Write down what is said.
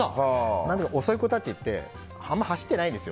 遅い子たちってあまり走ってないんですよ。